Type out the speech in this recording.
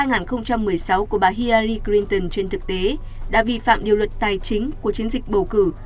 năm hai nghìn một mươi sáu của bà hillary clinton trên thực tế đã vi phạm điều luật tài chính của chiến dịch bầu cử